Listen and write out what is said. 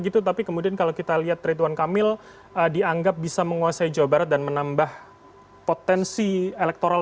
gitu tapi kemudian kalau kita lihat ridwan kamil dianggap bisa menguasai jawa barat dan menambah potensi elektoral